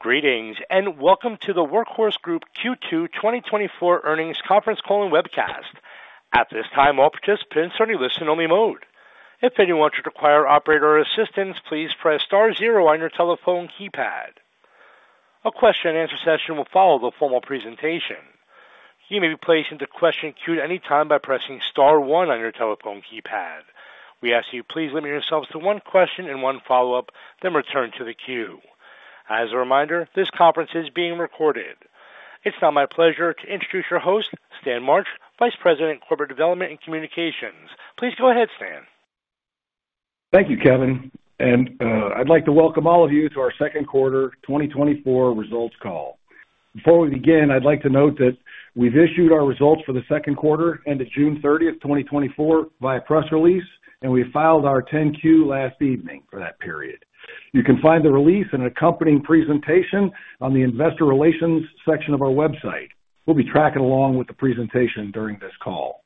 Greetings, and welcome to the Workhorse Group Q2 2024 Earnings Conference Call and Webcast. At this time, all participants are in listen-only mode. If anyone should require operator assistance, please press star zero on your telephone keypad. A question-and-answer session will follow the formal presentation. You may be placed into the question queue at any time by pressing star one on your telephone keypad. We ask you, please limit yourselves to one question and one follow-up, then return to the queue. As a reminder, this conference is being recorded. It's now my pleasure to introduce your host, Stan March, Vice President, Corporate Development and Communications. Please go ahead, Stan. Thank you, Kevin, and I'd like to welcome all of you to our second quarter 2024 results call. Before we begin, I'd like to note that we've issued our results for the second quarter, end of June 30th, 2024, via press release, and we filed our 10-Q last evening for that period. You can find the release and accompanying presentation on the investor relations section of our website. We'll be tracking along with the presentation during this call.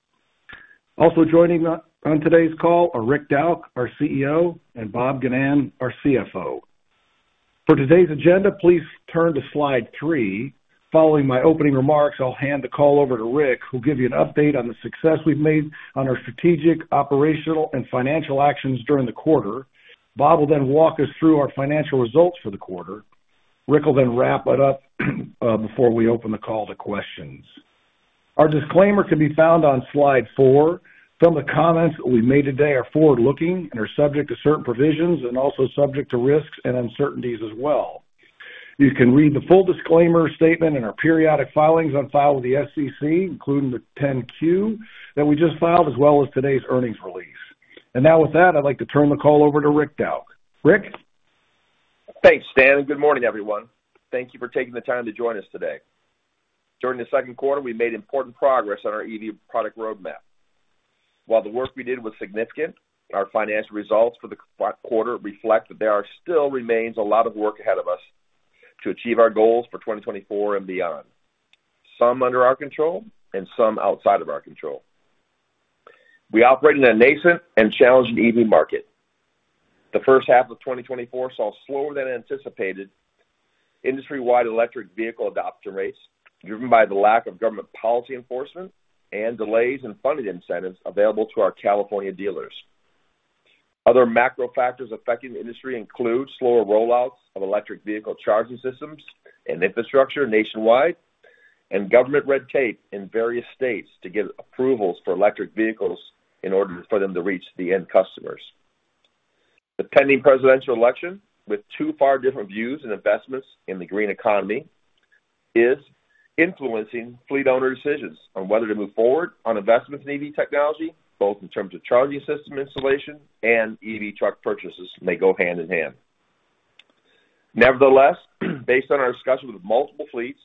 Also joining on today's call are Rick Dauch, our CEO, and Bob Ginnan, our CFO. For today's agenda, please turn to slide three. Following my opening remarks, I'll hand the call over to Rick, who'll give you an update on the success we've made on our strategic, operational, and financial actions during the quarter. Bob will then walk us through our financial results for the quarter. Rick will then wrap it up, before we open the call to questions. Our disclaimer can be found on slide four. Some of the comments we've made today are forward-looking and are subject to certain provisions and also subject to risks and uncertainties as well. You can read the full disclaimer statement in our periodic filings on file with the SEC, including the 10-Q that we just filed, as well as today's earnings release. And now, with that, I'd like to turn the call over to Rick Dauch. Rick? Thanks, Stan. Good morning, everyone. Thank you for taking the time to join us today. During the second quarter, we made important progress on our EV product roadmap. While the work we did was significant, our financial results for the quarter reflect that there still remains a lot of work ahead of us to achieve our goals for 2024 and beyond, some under our control and some outside of our control. We operate in a nascent and challenging EV market. The first half of 2024 saw slower than anticipated industry-wide electric vehicle adoption rates, driven by the lack of government policy enforcement and delays in funding incentives available to our California dealers. Other macro factors affecting the industry include slower rollouts of electric vehicle charging systems and infrastructure nationwide, and government red tape in various states to get approvals for electric vehicles in order for them to reach the end customers. The pending presidential election, with two far different views and investments in the green economy, is influencing fleet owner decisions on whether to move forward on investments in EV technology, both in terms of charging system installation and EV truck purchases, and they go hand-in-hand. Nevertheless, based on our discussions with multiple fleets,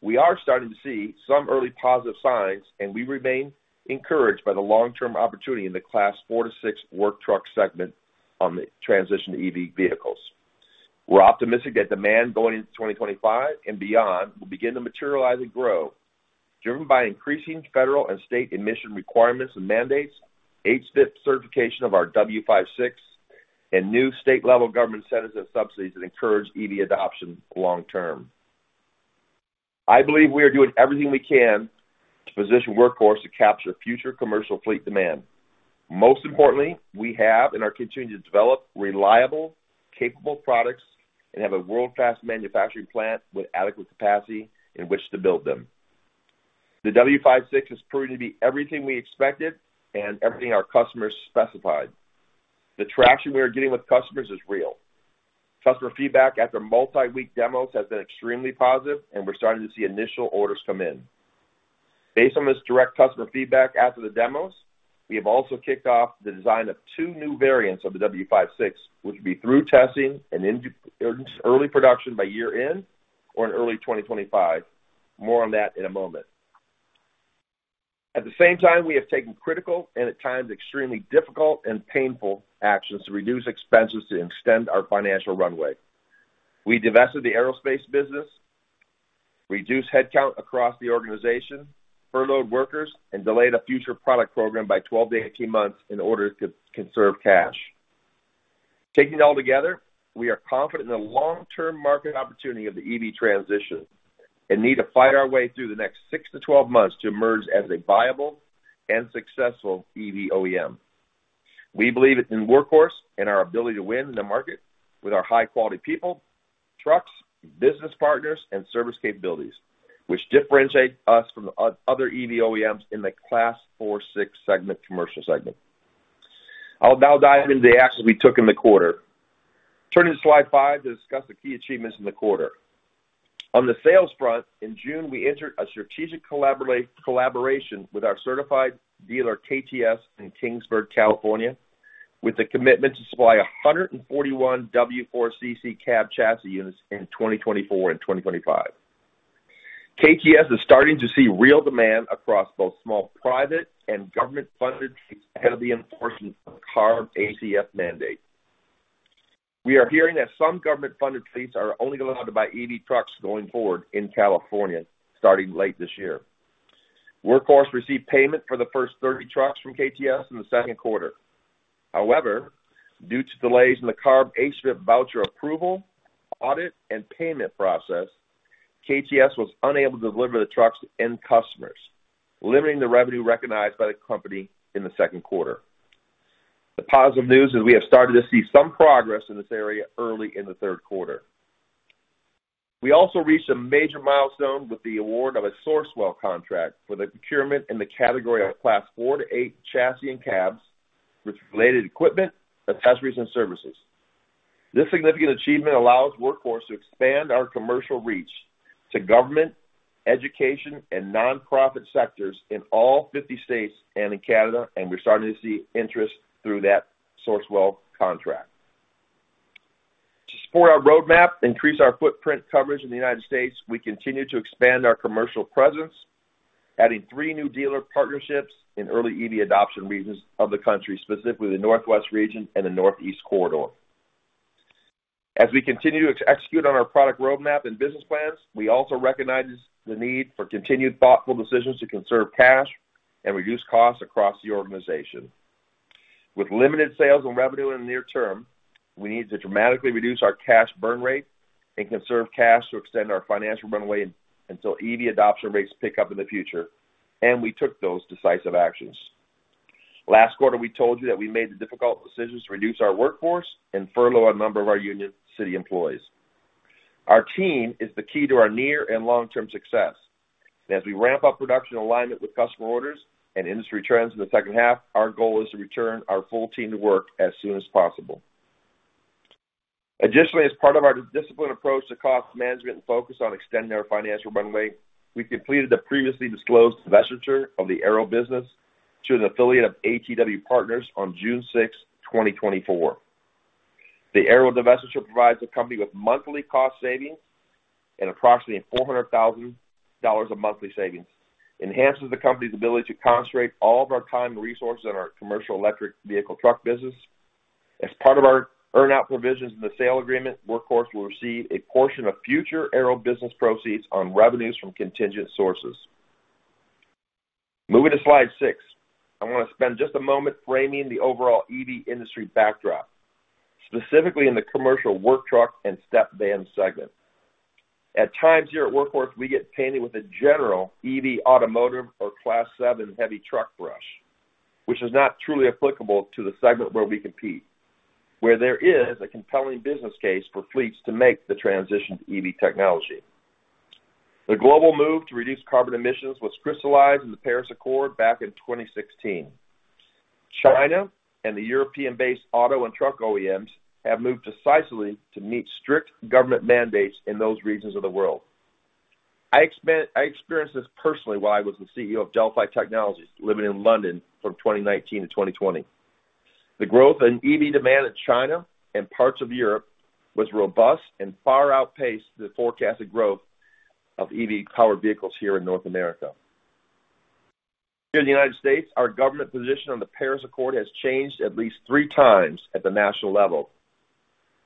we are starting to see some early positive signs, and we remain encouraged by the long-term opportunity in the Class 4-6 work truck segment on the transition to EV vehicles. We're optimistic that demand going into 2025 and beyond will begin to materialize and grow, driven by increasing federal and state emission requirements and mandates, HVIP certification of our W56, and new state-level government incentives and subsidies that encourage EV adoption long term. I believe we are doing everything we can to position Workhorse to capture future commercial fleet demand. Most importantly, we have and are continuing to develop reliable, capable products and have a world-class manufacturing plant with adequate capacity in which to build them. The W56 has proved to be everything we expected and everything our customers specified. The traction we are getting with customers is real. Customer feedback after multi-week demos has been extremely positive, and we're starting to see initial orders come in. Based on this direct customer feedback after the demos, we have also kicked off the design of two new variants of the W56, which will be through testing and into early production by year-end or in early 2025. More on that in a moment. At the same time, we have taken critical and at times extremely difficult and painful actions to reduce expenses to extend our financial runway. We divested the aerospace business, reduced headcount across the organization, furloughed workers, and delayed a future product program by 12-18 months in order to conserve cash. Taking it all together, we are confident in the long-term market opportunity of the EV transition and need to fight our way through the next 6-12 months to emerge as a viable and successful EV OEM. We believe in Workhorse and our ability to win in the market with our high-quality people, trucks, business partners, and service capabilities, which differentiate us from the other EV OEMs in the Class 4-6 segment, commercial segment. I'll now dive into the actions we took in the quarter. Turning to slide 5 to discuss the key achievements in the quarter. On the sales front, in June, we entered a strategic collaboration with our certified dealer, KTS, in Kingsburg, California, with a commitment to supply 141 W4CC cab chassis units in 2024 and 2025. KTS is starting to see real demand across both small, private, and government-funded fleets ahead of the enforcement of the CARB ACF mandate. We are hearing that some government-funded fleets are only allowed to buy EV trucks going forward in California, starting late this year. Workhorse received payment for the first 30 trucks from KTS in the second quarter. However, due to delays in the CARB HVIP voucher approval, audit, and payment process, KTS was unable to deliver the trucks to end customers, limiting the revenue recognized by the company in the second quarter. The positive news is we have started to see some progress in this area early in the third quarter. We also reached a major milestone with the award of a Sourcewell contract for the procurement in the category of Class 4 to 8 chassis and cabs, with related equipment, accessories, and services. This significant achievement allows Workhorse to expand our commercial reach to government, education, and nonprofit sectors in all 50 states and in Canada, and we're starting to see interest through that Sourcewell contract. To support our roadmap, increase our footprint coverage in the United States, we continue to expand our commercial presence, adding three new dealer partnerships in early EV adoption regions of the country, specifically the Northwest region and the Northeast Corridor. As we continue to execute on our product roadmap and business plans, we also recognize the need for continued thoughtful decisions to conserve cash and reduce costs across the organization. With limited sales and revenue in the near term, we need to dramatically reduce our cash burn rate and conserve cash to extend our financial runway until EV adoption rates pick up in the future, and we took those decisive actions. Last quarter, we told you that we made the difficult decisions to reduce our workforce and furlough a number of our Union City employees. Our team is the key to our near and long-term success, and as we ramp up production alignment with customer orders and industry trends in the second half, our goal is to return our full team to work as soon as possible. Additionally, as part of our disciplined approach to cost management and focus on extending our financial runway, we completed the previously disclosed divestiture of the Aero business to an affiliate of ATW Partners on June 6th, 2024. The Aero divestiture provides the company with monthly cost savings at approximately $400,000 of monthly savings, enhances the company's ability to concentrate all of our time and resources on our commercial electric vehicle truck business. As part of our earn-out provisions in the sale agreement, Workhorse will receive a portion of future Aero business proceeds on revenues from contingent sources. Moving to slide six, I want to spend just a moment framing the overall EV industry backdrop, specifically in the commercial work truck and step van segment. At times here at Workhorse, we get painted with a general EV automotive or Class 7 heavy truck brush, which is not truly applicable to the segment where we compete, where there is a compelling business case for fleets to make the transition to EV technology. The global move to reduce carbon emissions was crystallized in the Paris Accord back in 2016. China and the European-based auto and truck OEMs have moved decisively to meet strict government mandates in those regions of the world. I experienced this personally while I was the CEO of Delphi Technologies, living in London from 2019-2020. The growth in EV demand in China and parts of Europe was robust and far outpaced the forecasted growth of EV-powered vehicles here in North America. Here in the United States, our government position on the Paris Accord has changed at least three times at the national level,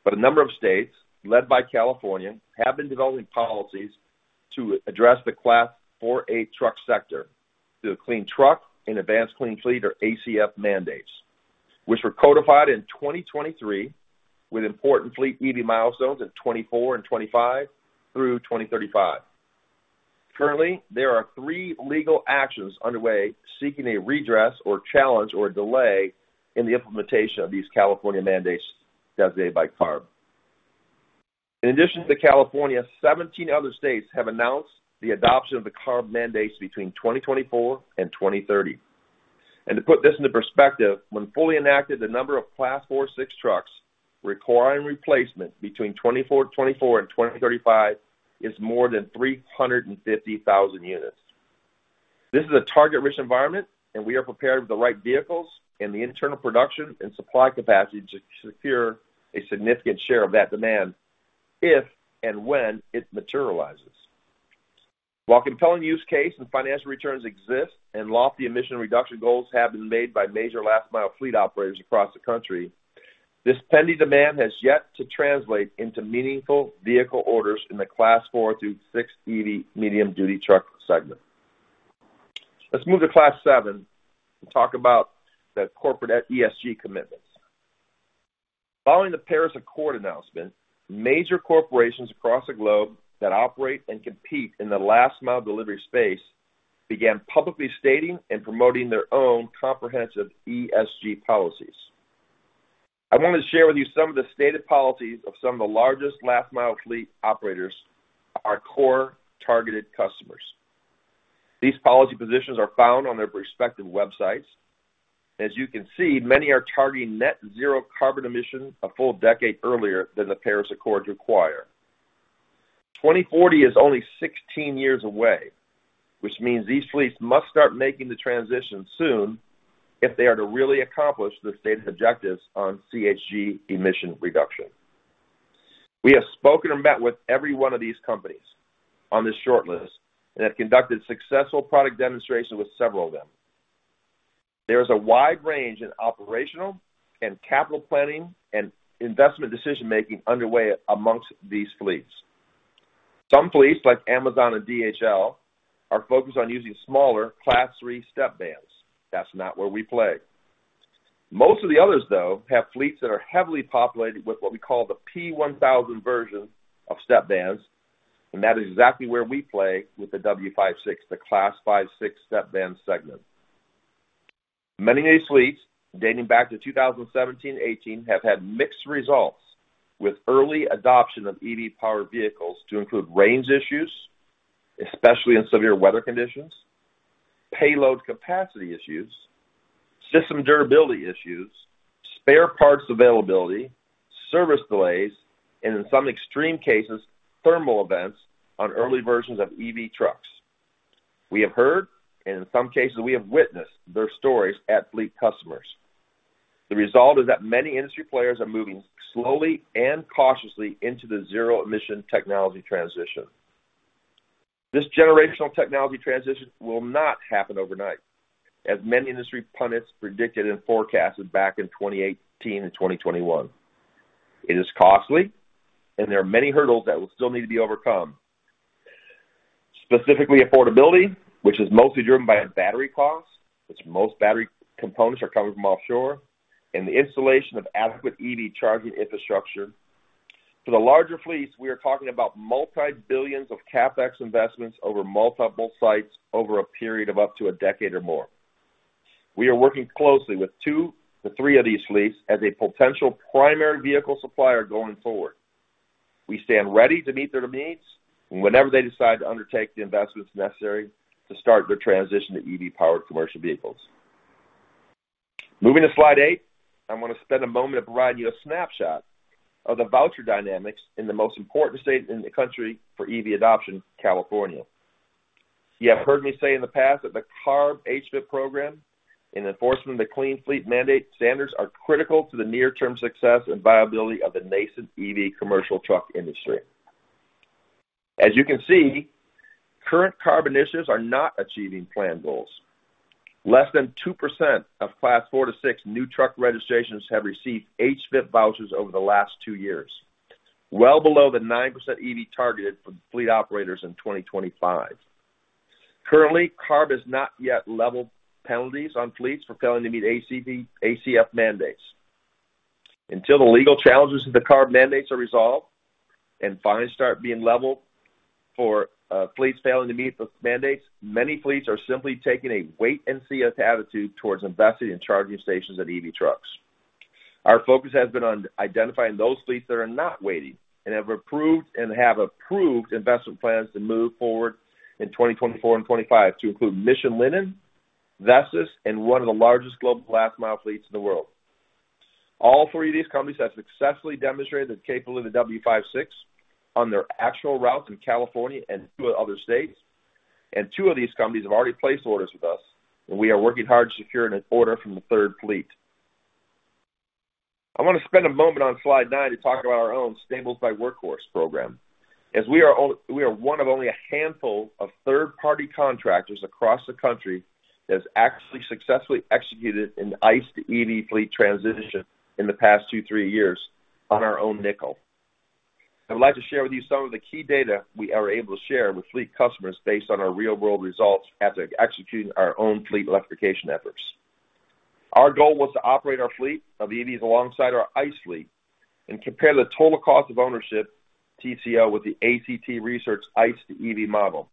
but a number of states, led by California, have been developing policies to address the Class 4-8 truck sector through the Clean Truck and Advanced Clean Fleets, or ACF mandates, which were codified in 2023, with important fleet EV milestones in 2024 and 2025 through 2035. Currently, there are three legal actions underway seeking a redress or challenge or delay in the implementation of these California mandates designated by CARB. In addition to California, 17 other states have announced the adoption of the CARB mandates between 2024 and 2030. And to put this into perspective, when fully enacted, the number of Class 4-6 trucks requiring replacement between 2024 and 2035 is more than 350,000 units. This is a target-rich environment, and we are prepared with the right vehicles and the internal production and supply capacity to secure a significant share of that demand if and when it materializes. While compelling use case and financial returns exist, and lofty emission reduction goals have been made by major last-mile fleet operators across the country, this pending demand has yet to translate into meaningful vehicle orders in the Class 4-6 EV medium-duty truck segment. Let's move to Class 7 and talk about the corporate ESG commitments. Following the Paris Accord announcement, major corporations across the globe that operate and compete in the last-mile delivery space began publicly stating and promoting their own comprehensive ESG policies. I want to share with you some of the stated policies of some of the largest last-mile fleet operators, our core targeted customers. These policy positions are found on their respective websites. As you can see, many are targeting net zero carbon emission a full decade earlier than the Paris Accord require. 2040 is only 16 years away, which means these fleets must start making the transition soon if they are to really accomplish the stated objectives on GHG emission reduction. We have spoken and met with every one of these companies on this short list and have conducted successful product demonstrations with several of them. There is a wide range in operational and capital planning and investment decision-making underway among these fleets. Some fleets, like Amazon and DHL, are focused on using smaller Class three step vans. That's not where we play. Most of the others, though, have fleets that are heavily populated with what we call the P1000 version of step vans, and that is exactly where we play with the W56, the Class 5-6 step van segment. Many of these fleets, dating back to 2017, 2018 have had mixed results with early adoption of EV-powered vehicles to include range issues, especially in severe weather conditions, payload capacity issues, system durability issues, spare parts availability, service delays, and in some extreme cases, thermal events on early versions of EV trucks. We have heard, and in some cases, we have witnessed their stories at fleet customers. The result is that many industry players are moving slowly and cautiously into the zero-emission technology transition. This generational technology transition will not happen overnight, as many industry pundits predicted and forecasted back in 2018 and 2021. It is costly, and there are many hurdles that will still need to be overcome. Specifically, affordability, which is mostly driven by battery costs, because most battery components are coming from offshore, and the installation of adequate EV charging infrastructure. For the larger fleets, we are talking about multi-billions of CapEx investments over multiple sites over a period of up to a decade or more. We are working closely with two to three of these fleets as a potential primary vehicle supplier going forward. We stand ready to meet their needs whenever they decide to undertake the investments necessary to start their transition to EV-powered commercial vehicles. Moving to slide eight, I'm going to spend a moment to provide you a snapshot of the voucher dynamics in the most important state in the country for EV adoption, California. You have heard me say in the past that the CARB HVIP program, in enforcement of the Clean Fleet Mandate standards, are critical to the near-term success and viability of the nascent EV commercial truck industry. As you can see, current CARB initiatives are not achieving planned goals. Less than 2% of Class 4-6 new truck registrations have received HVIP vouchers over the last two years, well below the 9% EV targeted for the fleet operators in 2025. Currently, CARB has not yet leveled penalties on fleets for failing to meet ACF mandates. Until the legal challenges of the CARB mandates are resolved and fines start being leveled for fleets failing to meet the mandates, many fleets are simply taking a wait and see attitude towards investing in charging stations and EV trucks. Our focus has been on identifying those fleets that are not waiting and have approved investment plans to move forward in 2024 and 2025 to include Mission Linen, Vestas, and one of the largest global last mile fleets in the world. All three of these companies have successfully demonstrated they're capable of the W56 on their actual routes in California and two other states, and two of these companies have already placed orders with us, and we are working hard to secure an order from the third fleet. I want to spend a moment on slide nine to talk about our own Stables by Workhorse program. As we are one of only a handful of third-party contractors across the country that has actually successfully executed an ICE to EV fleet transition in the past two, three years on our own nickel. I'd like to share with you some of the key data we are able to share with fleet customers based on our real-world results as they're executing our own fleet electrification efforts. Our goal was to operate our fleet of EVs alongside our ICE fleet and compare the total cost of ownership, TCO, with the ACT Research ICE to EV model.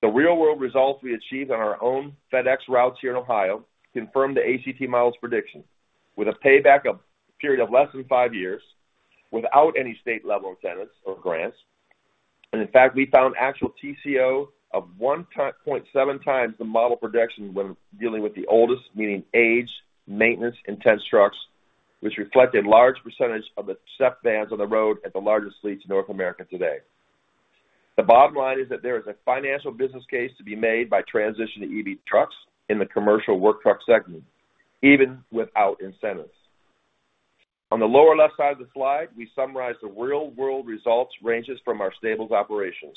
The real-world results we achieved on our own FedEx routes here in Ohio confirmed the ACT model's prediction, with a payback period of less than five years, without any state-level incentives or grants. And in fact, we found actual TCO of 1.7 times the model projection when dealing with the oldest, meaning age, maintenance-intensive trucks, which reflect a large percentage of the step vans on the road at the largest fleets in North America today. The bottom line is that there is a financial business case to be made by transitioning to EV trucks in the commercial work truck segment, even without incentives. On the lower left side of the slide, we summarize the real-world results ranges from our Stables operations,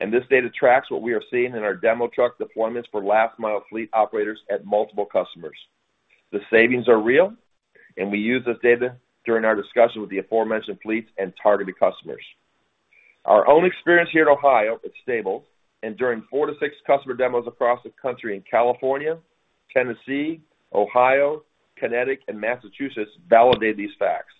and this data tracks what we are seeing in our demo truck deployments for last mile fleet operators at multiple customers. The savings are real, and we use this data during our discussion with the aforementioned fleets and targeted customers. Our own experience here in Ohio with Stables and during 4-6 customer demos across the country in California, Tennessee, Ohio, Connecticut, and Massachusetts validate these facts.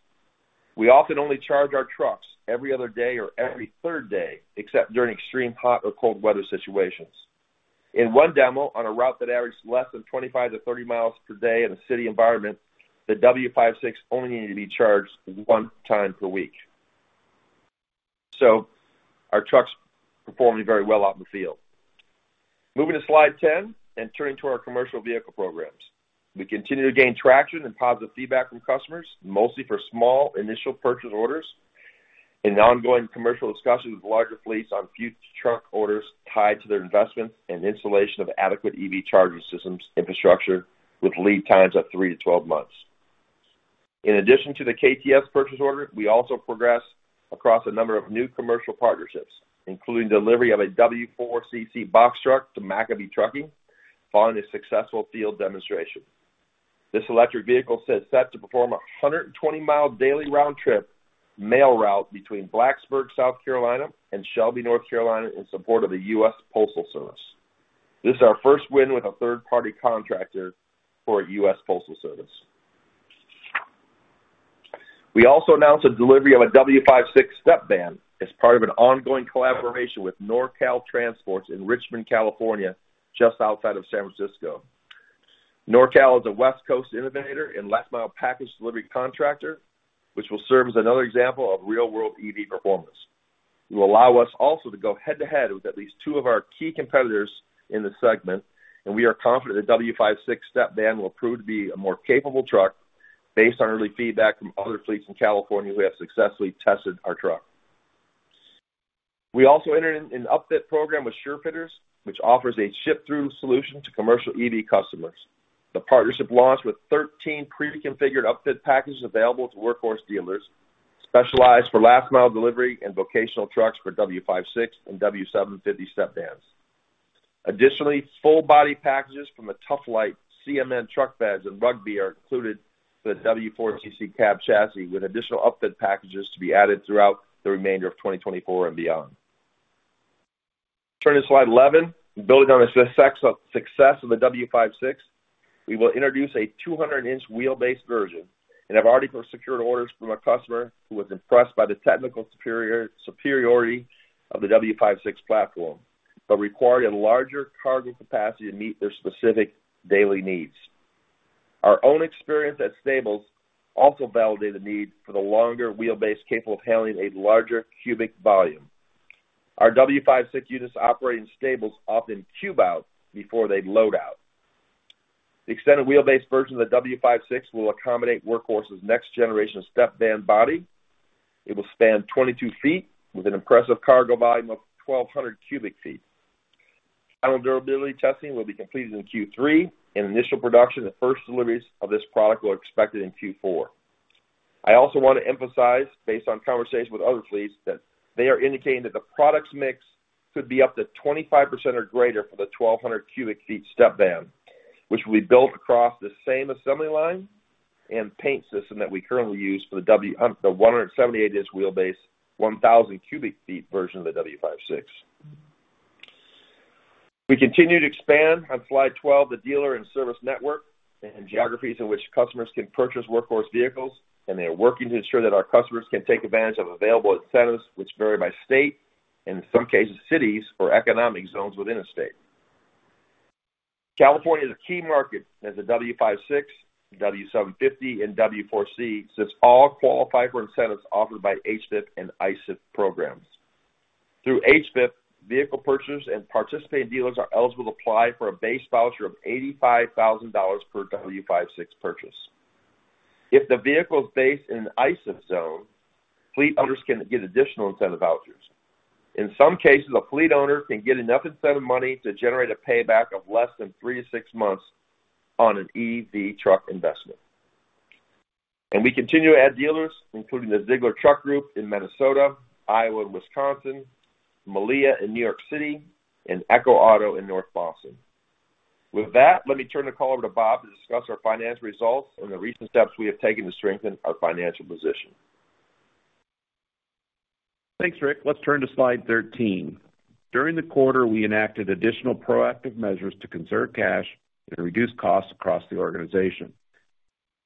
We often only charge our trucks every other day or every third day, except during extreme hot or cold weather situations. In one demo, on a route that averages less than 25-30 miles per day in a city environment, the W56 only needed to be charged one time per week, so our trucks performing very well out in the field. Moving to slide 10 and turning to our commercial vehicle programs. We continue to gain traction and positive feedback from customers, mostly for small initial purchase orders and ongoing commercial discussions with larger fleets on future truck orders tied to their investment and installation of adequate EV charging systems infrastructure, with lead times of 3 to 12 months. In addition to the KTS purchase order, we also progressed across a number of new commercial partnerships, including delivery of a W4CC box truck to Maccabee Trucking, following a successful field demonstration. This electric vehicle is set to perform a 100 mi daily round-trip mail route between Blacksburg, South Carolina, and Shelby, North Carolina, in support of the U.S. Postal Service. This is our first win with a third-party contractor for a U.S. Postal Service. We also announced the delivery of a W56 step van as part of an ongoing collaboration with NorCal Transport in Richmond, California, just outside of San Francisco. NorCal is a West Coast innovator and last-mile package delivery contractor, which will serve as another example of real-world EV performance. It will allow us also to go head-to-head with at least two of our key competitors in this segment, and we are confident the W56 step van will prove to be a more capable truck based on early feedback from other fleets in California who have successfully tested our truck. We also entered an upfit program with SureFitters, which offers a ship-through solution to commercial EV customers. The partnership launched with thirteen pre-configured upfit packages available to Workhorse dealers, specialized for last-mile delivery and vocational trucks for W56 and W750 step vans. Additionally, full-body packages from the Tough Lite, CM Truck Beds, and Rugby are included for the W4CC cab chassis, with additional upfit packages to be added throughout the remainder of 2024 and beyond. Turning to slide 11, building on the success of the W56, we will introduce a 200-inch wheelbase version and have already secured orders from a customer who was impressed by the technical superiority of the W56 platform, but required a larger cargo capacity to meet their specific daily needs. Our own experience at Stables also validated the need for the longer wheelbase capable of handling a larger cubic volume. Our W56 units operating in Stables often cube out before they load out. The extended wheelbase version of the W56 will accommodate Workhorse's next-generation step van body. It will span 22 ft with an impressive cargo volume of 1,200 ft^3. Channel durability testing will be completed in Q3, and initial production and first deliveries of this product are expected in Q4. I also want to emphasize, based on conversations with other fleets, that they are indicating that the product mix could be up to 25% or greater for the 1,200 ft^3 step van, which will be built across the same assembly line and paint system that we currently use for the W56, the 178-inch wheelbase, 1,000 ft^3 version of the W56. We continue to expand, on slide 12, the dealer and service network and geographies in which customers can purchase Workhorse vehicles, and they are working to ensure that our customers can take advantage of available incentives, which vary by state and, in some cases, cities or economic zones within a state. California is a key market, as the W56, W750, and W4CC, since all qualify for incentives offered by HVIP and ISEF programs. Through HVIP, vehicle purchasers and participating dealers are eligible to apply for a base voucher of $85,000 per W56 purchase. If the vehicle is based in an ISEF zone, fleet owners can get additional incentive vouchers. In some cases, a fleet owner can get enough incentive money to generate a payback of less than three to six months on an EV truck investment. And we continue to add dealers, including the Ziegler Truck Group in Minnesota, Iowa, and Wisconsin, Milea in New York City, and Eco Auto in North Boston. With that, let me turn the call over to Bob to discuss our financial results and the recent steps we have taken to strengthen our financial position. Thanks, Rick. Let's turn to slide 13. During the quarter, we enacted additional proactive measures to conserve cash and reduce costs across the organization.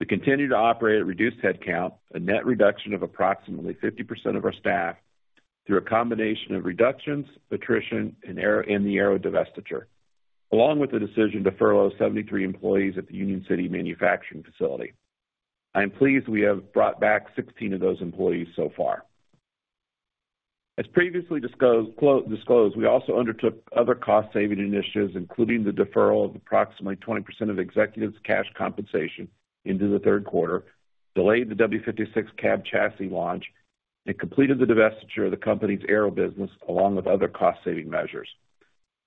We continue to operate at reduced headcount, a net reduction of approximately 50% of our staff through a combination of reductions, attrition, and the aero divestiture, along with the decision to furlough 73 employees at the Union City manufacturing facility. I am pleased we have brought back 16 of those employees so far. As previously disclosed, we also undertook other cost-saving initiatives, including the deferral of approximately 20% of executives' cash compensation into the third quarter, delayed the W56 cab chassis launch, and completed the divestiture of the company's aero business, along with other cost-saving measures.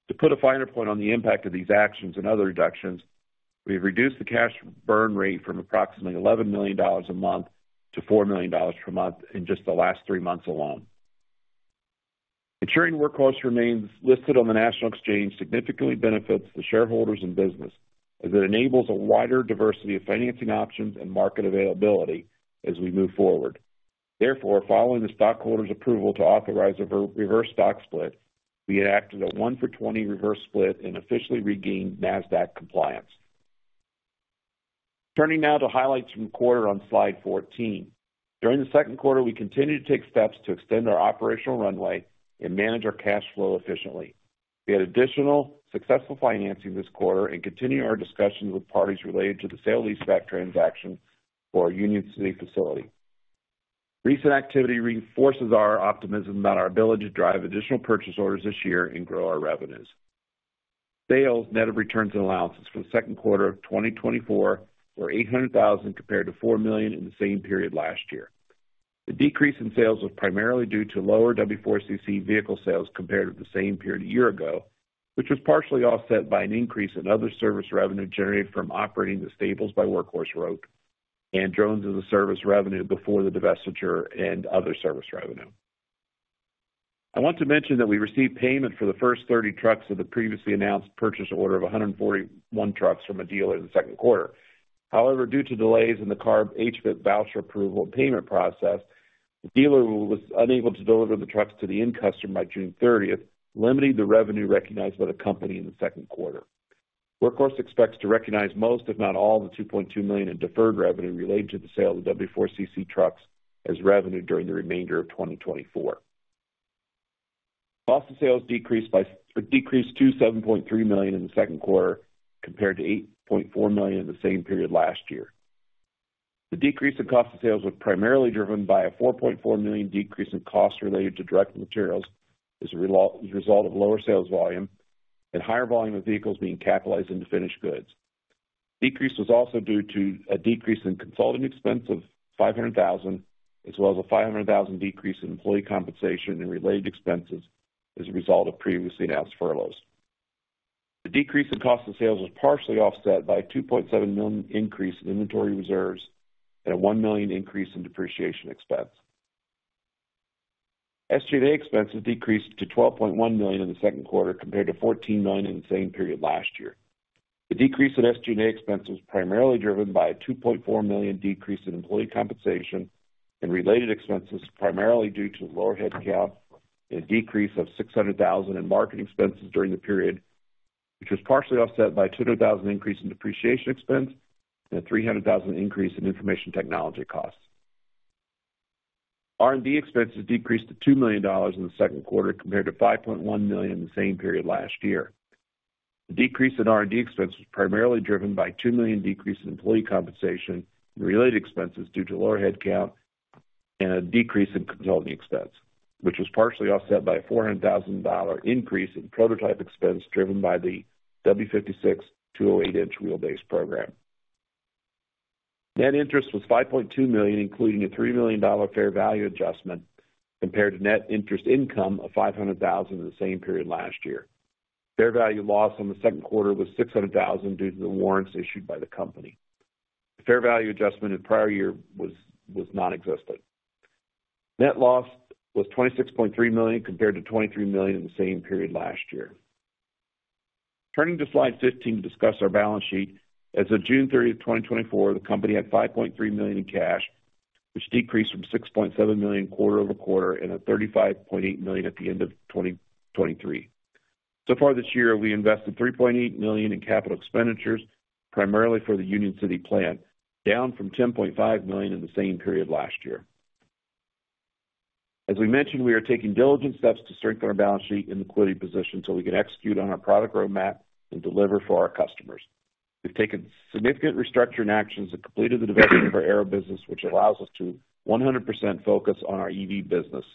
To put a finer point on the impact of these actions and other reductions, we've reduced the cash burn rate from approximately $11 million a month to $4 million per month in just the last three months alone. Ensuring Workhorse remains listed on the NASDAQ significantly benefits the shareholders and business, as it enables a wider diversity of financing options and market availability as we move forward. Therefore, following the stockholders' approval to authorize a reverse stock split, we enacted a 1-for-20 reverse split and officially regained NASDAQ compliance. Turning now to highlights from the quarter on slide 14. During the second quarter, we continued to take steps to extend our operational runway and manage our cash flow efficiently. We had additional successful financing this quarter and continue our discussions with parties related to the sale-leaseback transaction for our Union City facility. Recent activity reinforces our optimism about our ability to drive additional purchase orders this year and grow our revenues. Sales, net of returns and allowances from the second quarter of 2024, were $800,000, compared to $4 million in the same period last year. The decrease in sales was primarily due to lower W4CC vehicle sales compared with the same period a year ago, which was partially offset by an increase in other service revenue generated from operating the Stables by Workhorse and Drones as a Service revenue before the divestiture and other service revenue. I want to mention that we received payment for the first 30 trucks of the previously announced purchase order of 141 trucks from a dealer in the second quarter. However, due to delays in the CARB HVIP voucher approval and payment process, the dealer was unable to deliver the trucks to the end customer by June thirtieth, limiting the revenue recognized by the company in the second quarter. Workhorse expects to recognize most, if not all, of the $2.2 million in deferred revenue related to the sale of W4CC trucks as revenue during the remainder of 2024. Cost of sales decreased to $7.3 million in the second quarter, compared to $8.4 million in the same period last year. The decrease in cost of sales was primarily driven by a $4.4 million decrease in costs related to direct materials as a result of lower sales volume and higher volume of vehicles being capitalized into finished goods. Decrease was also due to a decrease in consulting expense of $500,000, as well as a $500,000 decrease in employee compensation and related expenses as a result of previously announced furloughs. The decrease in cost of sales was partially offset by a $2.7 million increase in inventory reserves and a $1 million increase in depreciation expense. SG&A expenses decreased to $12.1 million in the second quarter, compared to $14 million in the same period last year. The decrease in SG&A expenses was primarily driven by a $2.4 million decrease in employee compensation and related expenses, primarily due to lower headcount and a decrease of $600,000 in marketing expenses during the period, which was partially offset by $200,000 increase in depreciation expense and a $300,000 increase in information technology costs. R&D expenses decreased to $2 million in the second quarter, compared to $5.1 million in the same period last year. The decrease in R&D expense was primarily driven by $2 million decrease in employee compensation and related expenses due to lower headcount and a decrease in consulting expense, which was partially offset by a $400,000 increase in prototype expense, driven by the W56 208-inch wheelbase program. Net interest was $5.2 million, including a $3 million fair value adjustment, compared to net interest income of $500,000 in the same period last year. Fair value loss in the second quarter was $600,000 due to the warrants issued by the company. The fair value adjustment in prior year was nonexistent. Net loss was $26.3 million, compared to $23 million in the same period last year. Turning to slide 15 to discuss our balance sheet. As of June thirtieth, 2024, the company had $5.3 million in cash, which decreased from $6.7 million quarter-over-quarter and at $35.8 million at the end of 2023. So far this year, we invested $3.8 million in capital expenditures, primarily for the Union City plant, down from $10.5 million in the same period last year. As we mentioned, we are taking diligent steps to strengthen our balance sheet and liquidity position, so we can execute on our product roadmap and deliver for our customers. We've taken significant restructuring actions and completed the development of our aero business, which allows us to 100% focus on our EV business.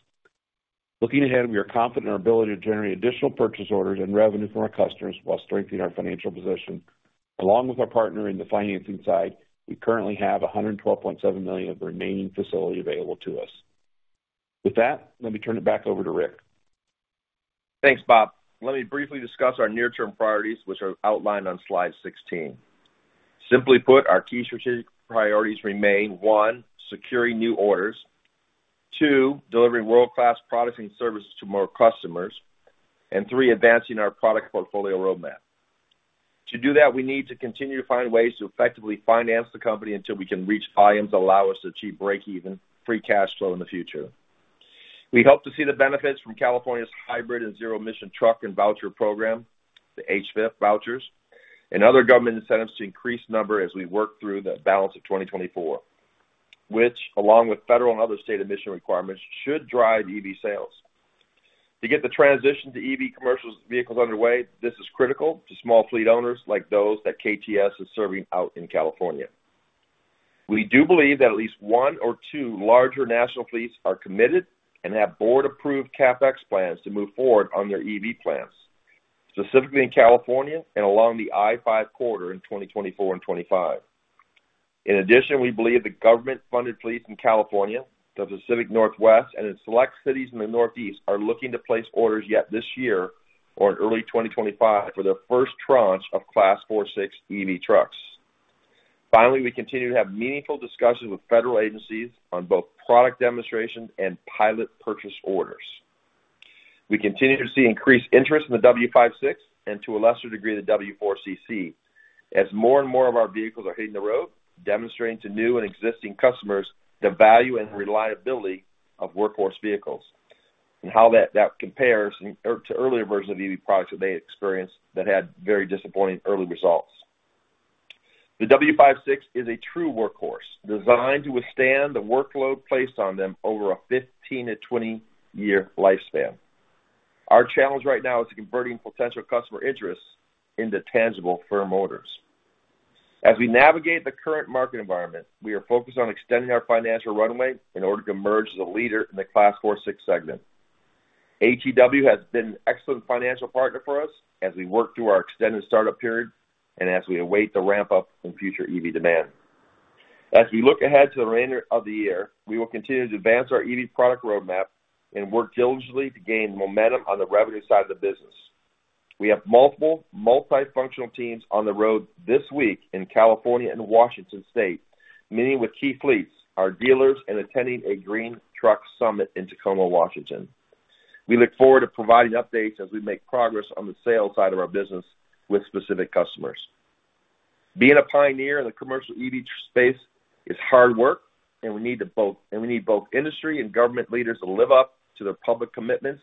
Looking ahead, we are confident in our ability to generate additional purchase orders and revenue from our customers while strengthening our financial position. Along with our partner in the financing side, we currently have $112.7 million of remaining facility available to us. With that, let me turn it back over to Rick. Thanks, Bob. Let me briefly discuss our near-term priorities, which are outlined on slide 16. Simply put, our key strategic priorities remain, one, securing new orders, two, delivering world-class products and services to more customers, and three, advancing our product portfolio roadmap. To do that, we need to continue to find ways to effectively finance the company until we can reach volumes that allow us to achieve breakeven free cash flow in the future. We hope to see the benefits from California's Hybrid and Zero-Emission Truck and Voucher program, the HVIP vouchers, and other government incentives to increase number as we work through the balance of 2024, which, along with federal and other state emission requirements, should drive EV sales. To get the transition to EV commercial vehicles underway, this is critical to small fleet owners like those that KTS is serving out in California. We do believe that at least one or two larger national fleets are committed and have board-approved CapEx plans to move forward on their EV plans, specifically in California and along the I-5 corridor in 2024 and 2025. In addition, we believe the government-funded fleets in California, the Pacific Northwest, and in select cities in the Northeast, are looking to place orders yet this year or in early 2025 for their first tranche of Class 4-6 EV trucks. Finally, we continue to have meaningful discussions with federal agencies on both product demonstration and pilot purchase orders. We continue to see increased interest in the W56 and, to a lesser degree, the W4CC, as more and more of our vehicles are hitting the road, demonstrating to new and existing customers the value and reliability of Workhorse vehicles, and how that, that compares to earlier versions of EV products that they experienced that had very disappointing early results. The W56 is a true Workhorse, designed to withstand the workload placed on them over a 15-20 lifespan. Our challenge right now is converting potential customer interest into tangible firm orders. As we navigate the current market environment, we are focused on extending our financial runway in order to emerge as a leader in the Class 4-6 segment. ATW has been an excellent financial partner for us as we work through our extended startup period and as we await the ramp up in future EV demand. As we look ahead to the remainder of the year, we will continue to advance our EV product roadmap and work diligently to gain momentum on the revenue side of the business. We have multiple multifunctional teams on the road this week in California and Washington State, meeting with key fleets, our dealers, and attending a green truck summit in Tacoma, Washington. We look forward to providing updates as we make progress on the sales side of our business with specific customers. Being a pioneer in the commercial EV space is hard work, and we need both industry and government leaders to live up to their public commitments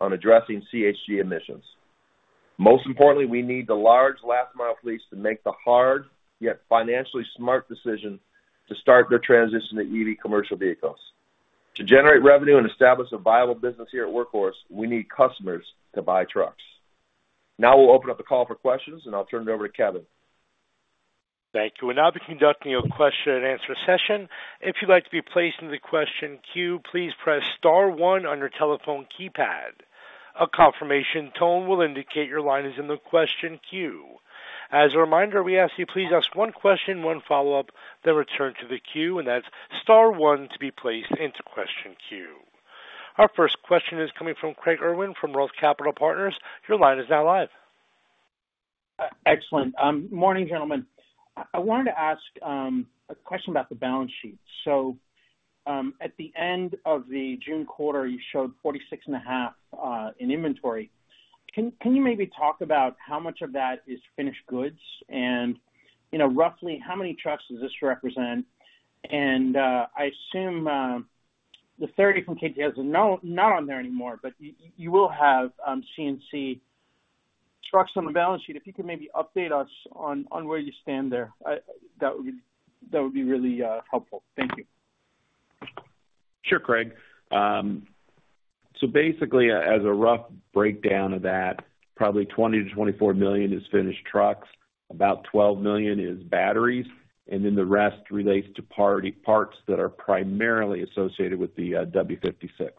on addressing GHG emissions. Most importantly, we need the large last mile fleets to make the hard, yet financially smart decision to start their transition to EV commercial vehicles. To generate revenue and establish a viable business here at Workhorse, we need customers to buy trucks. Now we'll open up the call for questions, and I'll turn it over to Kevin. Thank you. We'll now be conducting a question and answer session. If you'd like to be placed in the question queue, please press star one on your telephone keypad. A confirmation tone will indicate your line is in the question queue. As a reminder, we ask you, please ask one question, one follow-up, then return to the queue, and that's star one to be placed into question queue. Our first question is coming from Craig Irwin from Roth Capital Partners. Your line is now live. Excellent. Morning, gentlemen. I wanted to ask a question about the balance sheet. So, at the end of the June quarter, you showed $46.5 million in inventory. Can you maybe talk about how much of that is finished goods? And, you know, roughly how many trucks does this represent? And, I assume the $30 million from KTS is not on there anymore, but you will have C&C trucks on the balance sheet. If you could maybe update us on where you stand there, that would be really helpful. Thank you. Sure, Craig. So basically, as a rough breakdown of that, probably $20-$24 million is finished trucks, about $12 million is batteries, and then the rest relates to third-party parts that are primarily associated with the W56.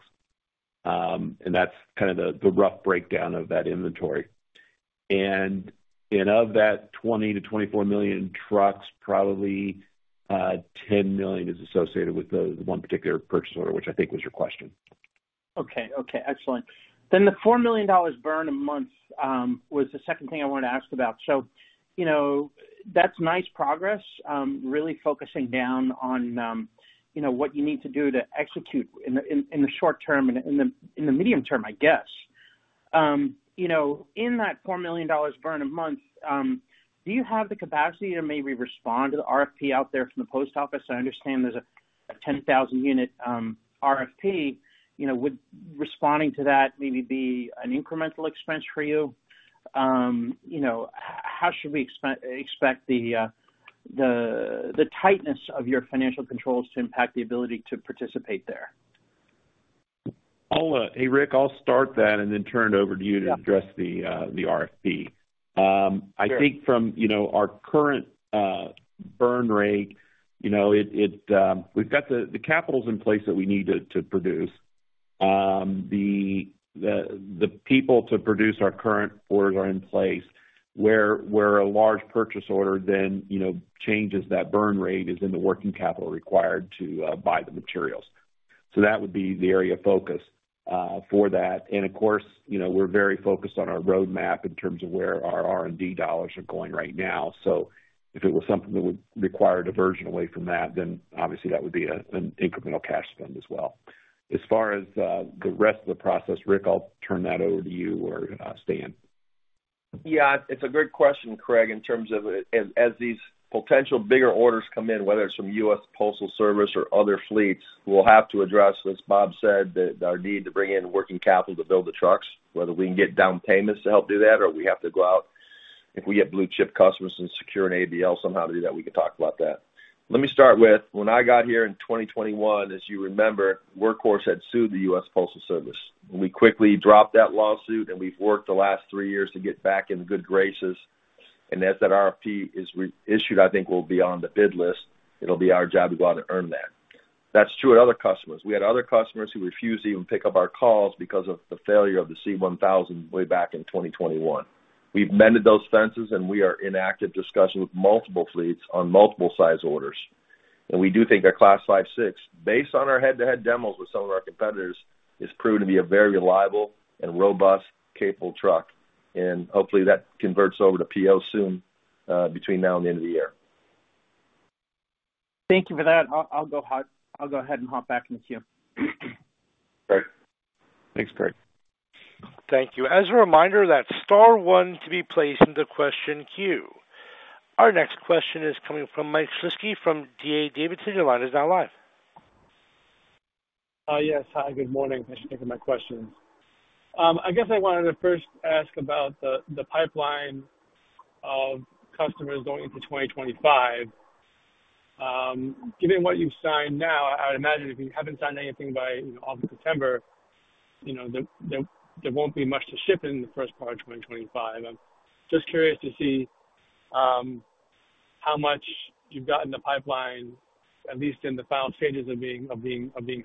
And that's kind of the rough breakdown of that inventory. And of that $20-$24 million trucks, probably $10 million is associated with the one particular purchase order, which I think was your question. Okay. Okay, excellent. Then the $4 million burn a month was the second thing I wanted to ask about. So, you know, that's nice progress, really focusing down on, you know, what you need to do to execute in the short term and in the medium term, I guess. You know, in that $4 million burn a month, do you have the capacity to maybe respond to the RFP out there from the post office? I understand there's a 10,000-unit RFP, you know, would responding to that maybe be an incremental expense for you? You know, how should we expect the tightness of your financial controls to impact the ability to participate there? Hey, Rick, I'll start that and then turn it over to you to address the RFP. Sure. I think from, you know, our current burn rate, you know, we've got the capital's in place that we need to produce. The people to produce our current orders are in place. A large purchase order then, you know, changes that burn rate is in the working capital required to buy the materials. So that would be the area of focus for that. And of course, you know, we're very focused on our roadmap in terms of where our R&D dollars are going right now. So if it was something that would require diversion away from that, then obviously that would be an incremental cash spend as well. As far as the rest of the process, Rick, I'll turn that over to you or Stan. Yeah, it's a good question, Craig, in terms of as these potential bigger orders come in, whether it's from U.S. Postal Service or other fleets, we'll have to address, as Bob said, that our need to bring in working capital to build the trucks, whether we can get down payments to help do that, or we have to go out if we get blue chip customers and secure an ABL somehow to do that, we can talk about that. Let me start with, when I got here in 2021, as you remember, Workhorse had sued the U.S. Postal Service. We quickly dropped that lawsuit, and we've worked the last three years to get back in good graces, and as that RFP is re-issued, I think we'll be on the bid list. It'll be our job to go out and earn that. That's true with other customers. We had other customers who refused to even pick up our calls because of the failure of the C1000 way back in 2021. We've mended those fences, and we are in active discussion with multiple fleets on multiple size orders. We do think our Class five, six, based on our head-to-head demos with some of our competitors, has proved to be a very reliable and robust, capable truck. Hopefully, that converts over to PO soon, between now and the end of the year. Thank you for that. I'll go ahead and hop back in the queue. Great. Thanks, Craig. Thank you. As a reminder, that's star one to be placed into question queue. Our next question is coming from Michael Shlisky from D.A. Davidson. Your line is now live. Yes. Hi, good morning. Thanks for taking my questions. I guess I wanted to first ask about the pipeline of customers going into 2025. Given what you've signed now, I would imagine if you haven't signed anything by, you know, August, September, you know, there won't be much to ship in the first part of 2025. I'm just curious to see how much you've got in the pipeline, at least in the final stages of being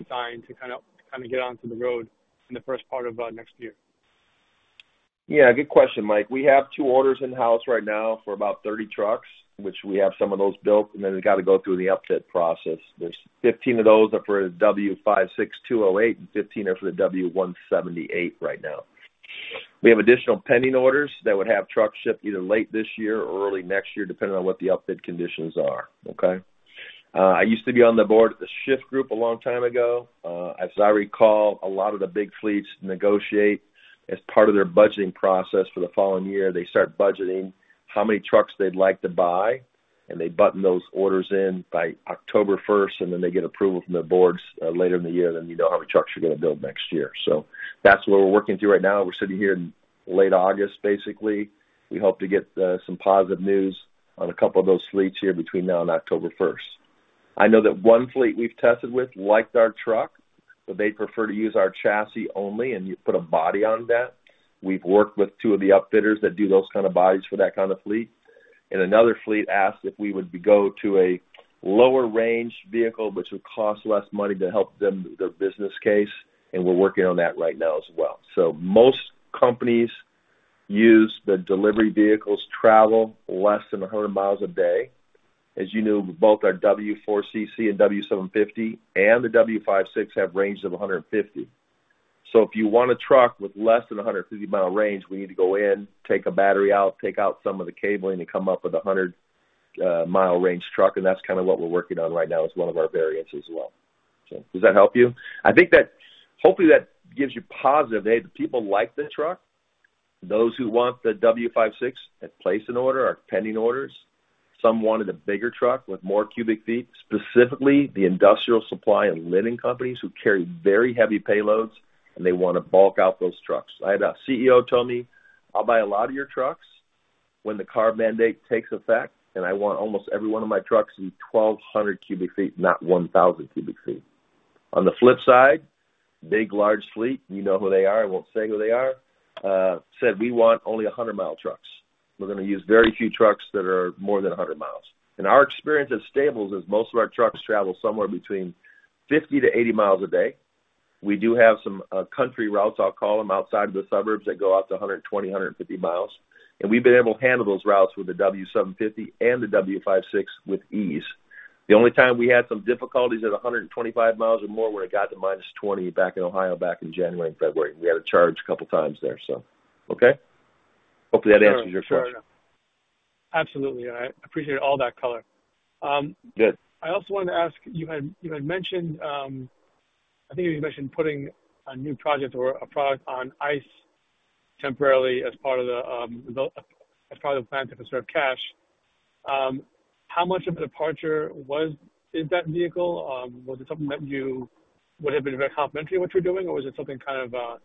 signed, to kind of get onto the road in the first part of next year? Yeah, good question, Mike. We have two orders in-house right now for about 30 trucks, which we have some of those built, and then they got to go through the upfit process. There's 15 of those are for the W56 208, and 15 are for the W178 right now. We have additional pending orders that would have trucks shipped either late this year or early next year, depending on what the upfit conditions are. Okay? I used to be on the board at the Shyft Group a long time ago. As I recall, a lot of the big fleets negotiate as part of their budgeting process for the following year. They start budgeting how many trucks they'd like to buy, and they put those orders in by October first, and then they get approval from their boards later in the year, then you know how many trucks you're going to build next year, so that's what we're working through right now. We're sitting here in late August basically. We hope to get some positive news on a couple of those fleets here between now and October first. I know that one fleet we've tested with liked our truck, but they'd prefer to use our chassis only, and you put a body on that. We've worked with two of the upfitters that do those kind of bodies for that kind of fleet. Another fleet asked if we would go to a lower range vehicle, which would cost less money to help them with their business case, and we're working on that right now as well. Most companies use the delivery vehicles travel less than 100 mi a day. As you know, both our W4CC and W750 and the W56 have ranges of 150. If you want a truck with less than a 150-mi range, we need to go in, take a battery out, take out some of the cabling, and come up with a 100-mi range truck, and that's kind of what we're working on right now as one of our variants as well. Does that help you? I think that, hopefully, that gives you positive. A, the people like the truck. Those who want the W56 have placed an order, are pending orders. Some wanted a bigger truck with more ft^3, specifically the industrial supply and linen companies who carry very heavy payloads, and they want to bulk out those trucks. I had a CEO tell me, "I'll buy a lot of your trucks when the CARB mandate takes effect, and I want almost every one of my trucks to be 1,200 ft^3, not 1,000 ft^3." On the flip side, big, large fleet, you know who they are, I won't say who they are, said, "We want only 100-mile trucks. We're going to use very few trucks that are more than 100 miles." In our experience at Stables, most of our trucks travel somewhere between 50 to 80 miles a day. We do have some country routes, I'll call them, outside of the suburbs, that go out to 120-150 miles, and we've been able to handle those routes with the W750 and the W56 with ease. The only time we had some difficulties at 125 miles or more, when it got to minus 20 degrees Fahrenheit back in Ohio, back in January and February. We had to charge a couple of times there, so okay. Hopefully, that answers your question. Absolutely, I appreciate all that color. Good. I also wanted to ask, you had mentioned, I think you mentioned putting a new project or a product on ice temporarily as part of the plan to conserve cash. How much of a departure was - is that vehicle? Was it something that you would have been very complementary to what you're doing, or was it something kind of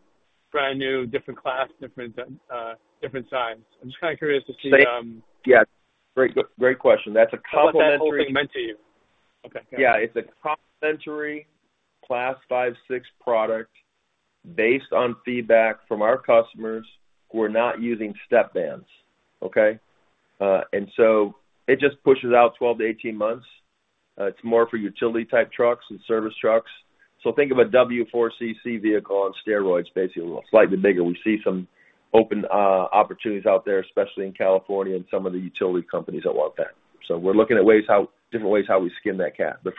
brand new, different class, different size? I'm just kind of curious to see. Yeah, great, great question. That's a complementary- Okay. Yeah, it's a complementary Class 5, 6 product based on feedback from our customers who are not using step vans, okay? And so it just pushes out 12-18 months. It's more for utility-type trucks and service trucks. So think of a W4CC vehicle on steroids, basically, slightly bigger. We see some open opportunities out there, especially in California, and some of the utility companies that want that. So we're looking at ways how different ways, how we skin that cat. But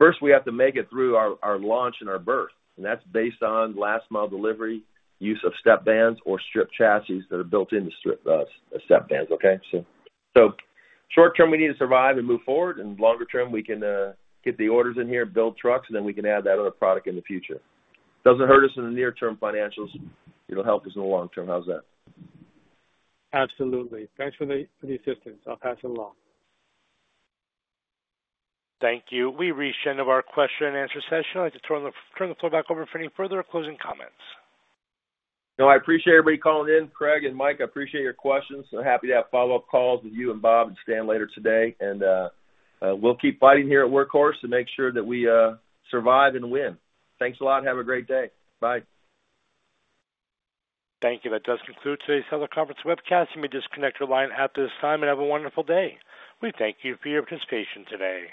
first, we have to make it through our launch and our birth, and that's based on last mile delivery, use of step vans or step chassis that are built into step vans, okay? So, so short term, we need to survive and move forward, and longer term, we can get the orders in here, build trucks, and then we can add that other product in the future. Doesn't hurt us in the near-term financials. It'll help us in the long term. How's that? Absolutely. Thanks for the assistance. I'll pass it along. Thank you. We've reached the end of our question and answer session. I'd like to turn the floor back over for any further closing comments. No, I appreciate everybody calling in. Craig and Mike, I appreciate your questions. So happy to have follow-up calls with you and Bob and Stan later today, and we'll keep fighting here at Workhorse to make sure that we survive and win. Thanks a lot. Have a great day. Bye. Thank you. That does conclude today's teleconference webcast. You may disconnect your line after this time, and have a wonderful day. We thank you for your participation today.